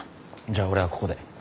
じゃあ俺はここで。